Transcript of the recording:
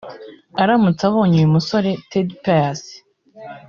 aramutse abonye uyu musore Tadei Pius